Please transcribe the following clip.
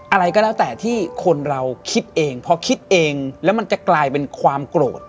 อะไรก็แล้วแต่ที่คนเราคิดเองเพราะคิดเองแล้วมันจะกลายเป็นความโกรธ